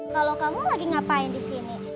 kalau kamu lagi ngapain di sini